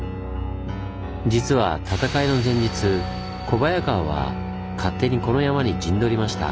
実は戦いの前日小早川は勝手にこの山に陣取りました。